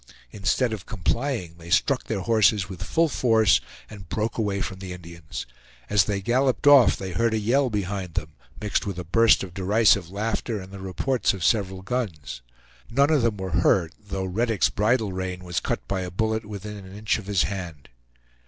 Instead of complying, they struck their horses with full force, and broke away from the Indians. As they galloped off they heard a yell behind them, mixed with a burst of derisive laughter, and the reports of several guns. None of them were hurt though Reddick's bridle rein was cut by a bullet within an inch of his hand.